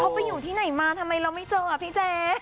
เขาไปอยู่ที่ไหนมาทำไมเราไม่เจออ่ะพี่แจ๊